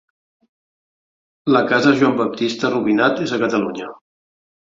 La Casa Joan Baptista Rubinat és a Catalunya.